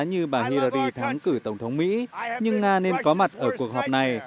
hillary thắng cử tổng thống mỹ nhưng nga nên có mặt ở cuộc họp này